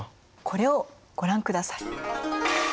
これをご覧ください。